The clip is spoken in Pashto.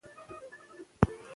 که فکر روغ وي نو پریکړه نه غلطیږي.